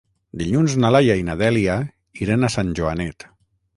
Dilluns na Laia i na Dèlia iran a Sant Joanet.